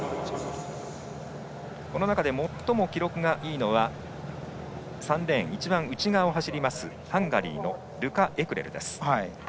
この中で最も記録がいいのは３レーン、一番内側を走るハンガリーのルカ・エクレル。